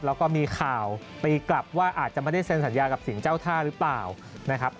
แล้วก็มีข่าวตีกลับว่าอาจจะไม่ได้เซ็นสัญญากับสิ่งเจ้าท่าหรือเปล่านะครับ